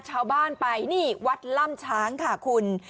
ชาวบ้านไปนี่วัดล่ำช้างค่ะคุณ